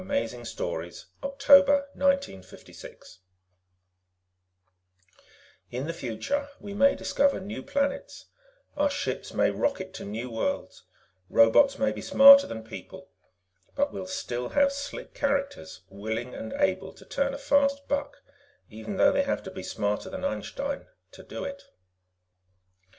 pgdp.net HEIST JOB ON THIZAR By RANDALL GARRETT _In the future, we may discover new planets; our ships may rocket to new worlds; robots may be smarter than people. But we'll still have slick characters willing and able to turn a fast buck even though they have to be smarter than Einstein to do it.